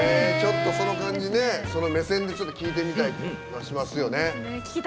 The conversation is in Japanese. その感じその目線で聴いてみたい気がしますよね。